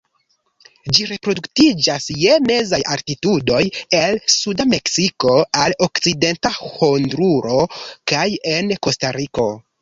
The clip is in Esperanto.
Ĝi reproduktiĝas je mezaj altitudoj el suda Meksiko al okcidenta Honduro kaj en Kostariko.